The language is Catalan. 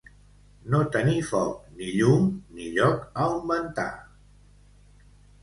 No tenir foc, ni llum, ni lloc a on ventar.